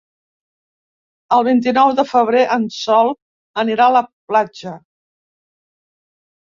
El vint-i-nou de febrer en Sol anirà a la platja.